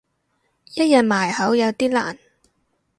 一日埋口有啲難